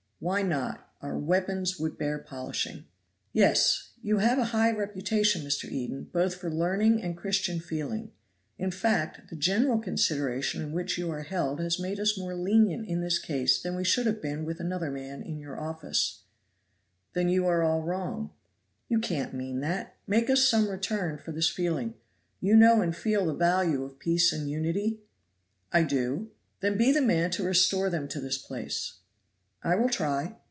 "Why not? our weapons would bear polishing." "Yes; you have a high reputation, Mr. Eden, both for learning and Christian feeling; in fact, the general consideration in which you are held has made us more lenient in this case than we should have been with another man in your office." "There you are all wrong." "You can't mean that; make us some return for this feeling. You know and feel the value of peace and unity?" "I do." "Then be the man to restore them to this place." "I will try."